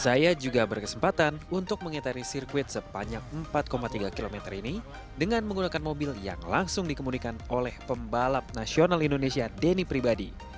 saya juga berkesempatan untuk mengitari sirkuit sepanjang empat tiga km ini dengan menggunakan mobil yang langsung dikemudikan oleh pembalap nasional indonesia denny pribadi